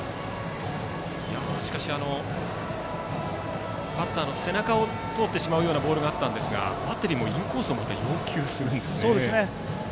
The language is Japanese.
しかし、バッターの背中を通ってしまうようなボールがありましたがバッテリーもインコースをまた要求するんですね。